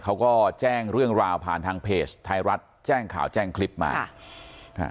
เขาก็แจ้งเรื่องราวผ่านทางเพจไทยรัฐแจ้งข่าวแจ้งคลิปมาค่ะอ่า